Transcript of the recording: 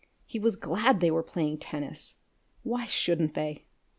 He was glad they were playing tennis. Why shouldn't they?